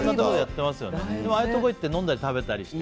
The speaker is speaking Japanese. ああいうところ行って飲んだり食べたりして。